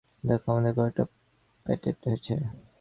দেখো, আমাদের কয়টা প্যাটেন্ট হয়েছে?